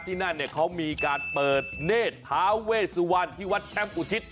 ที่นั่นเนี่ยเขามีการเปิดเนธทาเวสุวรรณที่วัดแชมป์อุทิศ